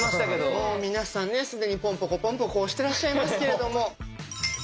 もう皆さんね既にポンポコポンポコ押してらっしゃいますけれども。